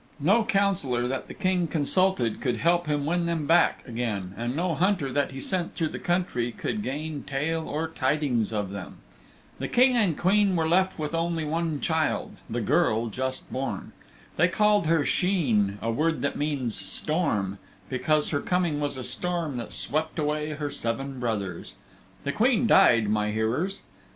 No councillor that the King consulted could help to win them back again, and no hunter that he sent through the country could gain tale or tidings of them. The King and Queen were left with one child only, the girl just born. They called her "Sheen," a word that means "Storm," because her coming was a storm that swept away her seven brothers. The Queen died, my hearers.